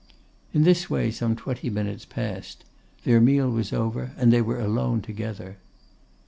In this way some twenty minutes passed; their meal was over, and they were alone together.